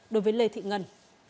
đối với lê thị ngân